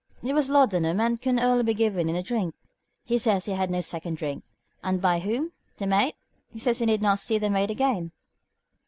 It was laudanum, and could only be given in a drink. He says he had no second drink. And by whom? The maid? He says he did not see the maid again."